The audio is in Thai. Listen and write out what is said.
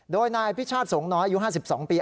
โดยนายพิชาติสงค์น้อยอยู่๕๒ปี